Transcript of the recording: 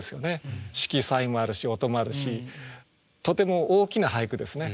色彩もあるし音もあるしとても大きな俳句ですね。